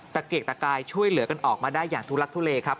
เกรกตะกายช่วยเหลือกันออกมาได้อย่างทุลักทุเลครับ